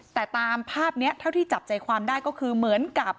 แต่ตามภาพนี้เท่าที่จับใจความได้ก็คือเหมือนกับ